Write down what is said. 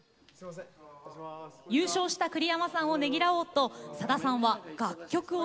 優勝した栗山さんをねぎらおうとさださんは楽曲を制作。